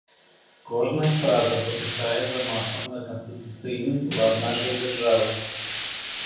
Кожная фраза патыхае замахам на канстытуцыйны лад нашай дзяржавы.